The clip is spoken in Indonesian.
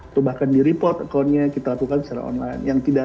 atau bahkan di report accountnya kita lakukan secara online